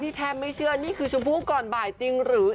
พี่แทมนี่ไม่เชื่อนี่คือชมภูกษ์ก่อนบ่ายจริงหรือ